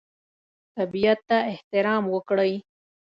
طبیعت ته احترام وکړئ.